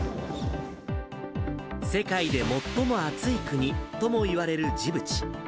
世界で最も暑い国ともいわれるジブチ。